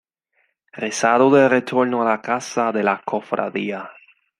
Rezado de Retorno a la casa de la Cofradía.